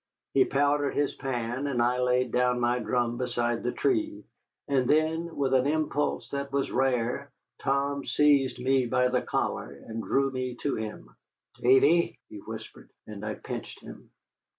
He powdered his pan, and I laid down my drum beside the tree, and then, with an impulse that was rare, Tom seized me by the collar and drew me to him. "Davy," he whispered, and I pinched him.